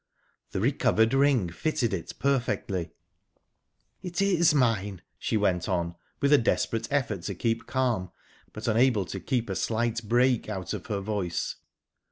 The recovered ring fitted it perfectly. "It is mine!" she went on, with a desperate effort to keep calm, but unable to keep a slight break out of her voice.